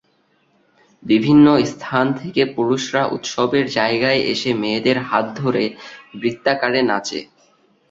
বিভিন্ন স্থান থেকে পুরুষরা উৎসবের জায়গায় এসে মেয়েদের হাত ধরে বৃত্তাকারে নাচে।